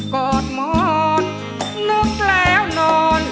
กอดหมอน้วงแล้วนนอน